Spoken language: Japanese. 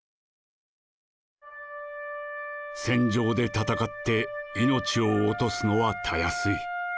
「戦場で戦って命を落とすのはたやすい。